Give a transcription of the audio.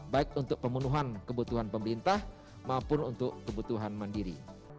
baik untuk pemenuhan kebutuhan pemerintah maupun untuk kebutuhan mandiri